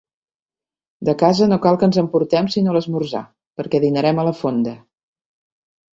De casa no cal que ens emportem sinó l'esmorzar, perquè dinarem a la fonda.